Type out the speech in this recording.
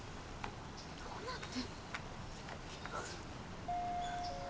どうなってんの？